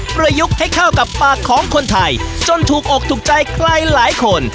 ประยุกต์ให้เข้ากับปากของคนไทยจนถูกอกถูกใจใครหลายคน